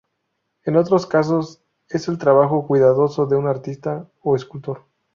En otros casos, es el trabajo cuidadoso de un artista o escultor.